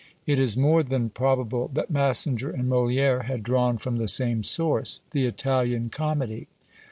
It is more than probable that Massinger and MoliÃẀre had drawn from the same source the Italian Comedy.